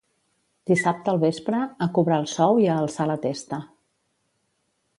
Dissabte al vespre, a cobrar el sou i a alçar la testa.